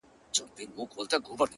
زه او شیخ یې را وتلي بس په تمه د کرم یو